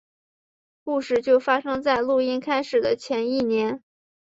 故事就发生在录音开始的前一年。